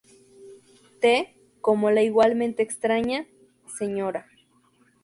T como la igualmente extraña "Sra.